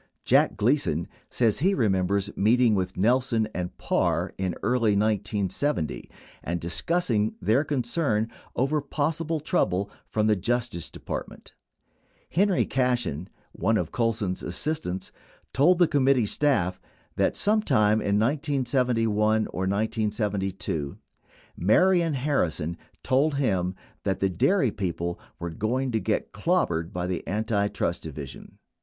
Jack Gleason says he remembers meeting with Nelson and Parr, in early 1970, and discussing their concern over possible trouble from the Justice Department, Henry Cashen, one of Colson's assistants, told the committee staff that sometime in 1971 or 1972, Marion Harri son told him that the dairy people were going to get clobbered by the Antitrust Division.